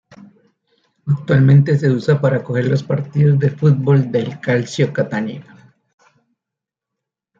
Actualmente se usa para acoger los partidos de fútbol del Calcio Catania.